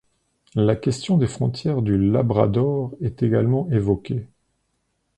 La question des frontières du Labrador est également évoquée.